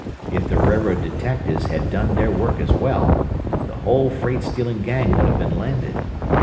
"If the railroad detectives had done their work as well, the whole freight stealing gang would have been landed.